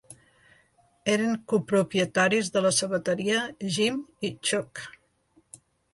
Eren copropietaris de la sabateria Jim i Chuck.